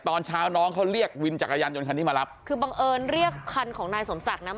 ตอนเช้าน้องเขาเรียกวินจักรยานยนต์คันนี้มารับคือบังเอิญเรียกคันของนายสมศักดิ์นะ